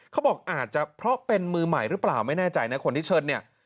เขาบอกอาจจะเพราะเป็นมือใหม่หรือเปล่าไม่แน่ใจนะคนที่เชิญเนี่ย